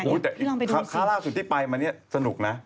นี่ถ้าจะฆ่าสิวิธีไปมานี่สนุกนะ